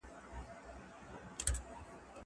که وخت وي، مړۍ خورم.